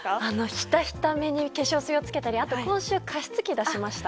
ひたひために化粧水をつけたりあと今週加湿器を出しました。